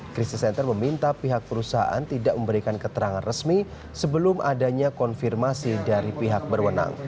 krisis center meminta pihak perusahaan tidak memberikan keterangan resmi sebelum adanya konfirmasi dari pihak berwenang